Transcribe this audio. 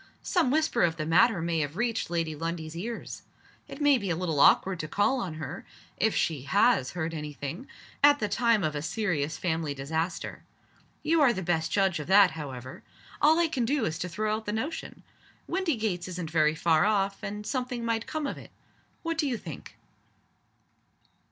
"Some whisper of the matter may have reached Lady Lundie's ears. It may be a little awkward to call on her (if she has heard any thing) at the time of a serious family disaster. You are the best judge of that, however. All I can do is to throw out the notion. Windygates isn't very far off and something might come of it. What do you think?"